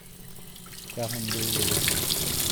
Quarante-deux éléphants.